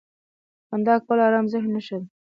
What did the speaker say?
• خندا کول د ارام ذهن نښه ده.